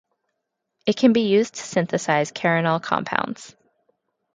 It can be used to synthesize carenol compounds.